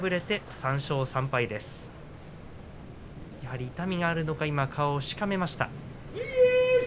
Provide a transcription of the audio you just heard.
やはり痛みがあるのか顔をしかめました。